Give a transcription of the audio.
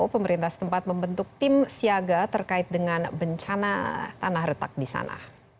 pemerintah setempat membentuk tim siaga terkait dengan bencana tanah retak di sana